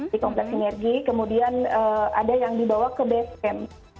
di kompleks sinergi kemudian ada yang dibawa ke basecamp